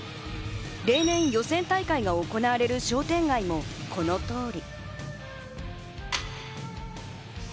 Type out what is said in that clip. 例年予選大会が行われる商店街もこの通り。